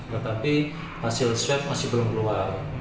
tetapi hasil swab masih belum keluar